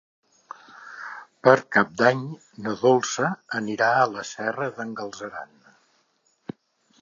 Per Cap d'Any na Dolça anirà a la Serra d'en Galceran.